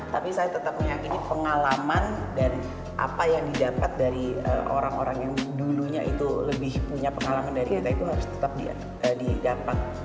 tapi saya tetap meyakini pengalaman dan apa yang didapat dari orang orang yang dulunya itu lebih punya pengalaman dari kita itu harus tetap didapat